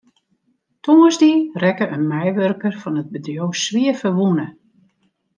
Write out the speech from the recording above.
Tongersdei rekke in meiwurker fan it bedriuw swierferwûne.